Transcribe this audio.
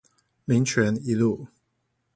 民權一路